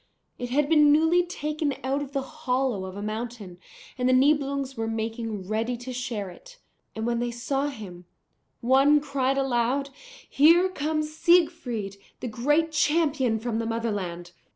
It had been newly taken out of the hollow of a mountain, and the Nibelungs were making ready to share it. And when they saw him, one cried aloud, 'Here comes Siegfried, the great champion from the Motherland!'